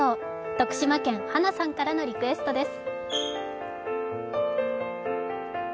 徳島県、ｈａｎａさんからのリクエストです。